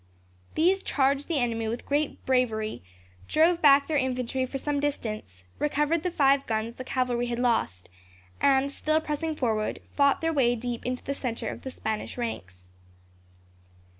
These charged the enemy with great bravery, drove back their infantry for some distance, recovered the five guns the cavalry had lost, and, still pressing forward, fought their way deep into the centre of the Spanish ranks.